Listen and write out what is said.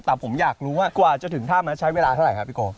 แต่ผมอยากรู้ว่ากว่าจะถึงท่ามาใช้เวลาเท่าไรครับอิโกะ